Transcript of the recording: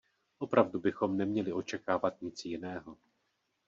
Opravdu bychom neměli očekávat nic jiného.